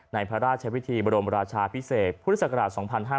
พระราชวิธีบรมราชาพิเศษพุทธศักราช๒๕๕๙